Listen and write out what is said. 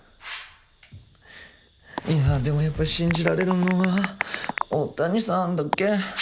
いやでもやっぱり信じられるのはオオタニサンだけ。